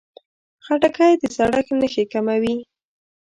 خټکی د زړښت نښې کموي.